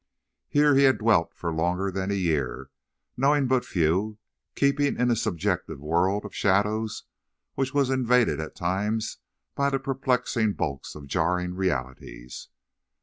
Here he had dwelt for longer than a year, knowing but few, keeping in a subjective world of shadows which was invaded at times by the perplexing bulks of jarring realities.